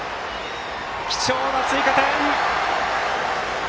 貴重な追加点！